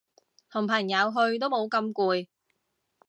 同朋友去都冇咁攰